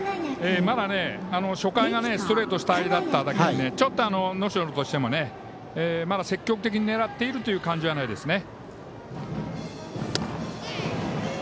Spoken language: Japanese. まだ初回がストレート主体だっただけにちょっと能代の方もまだ積極的に狙っているという感じはないですね。